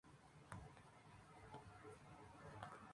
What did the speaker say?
Claudia quería que su hija fuera la protagonista de su matrimonio.